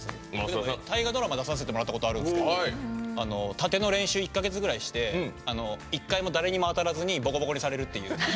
大河ドラマ出させてもらったことあるんですけど殺陣の練習１か月したんですけど１回も誰にも当たらずにぼこぼこにされるっていう。